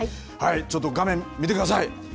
ちょっと画面、見てください。